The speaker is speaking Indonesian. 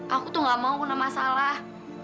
aku tuh gak mau kena masalah